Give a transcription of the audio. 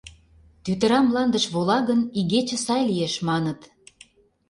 Тӱтыра мландыш вола гын, игече сай лиеш, маныт.